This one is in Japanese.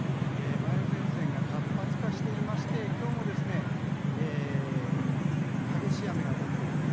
梅雨前線が活発化していまして今日も激しい雨が降っていると。